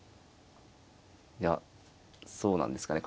いやそうなんですかね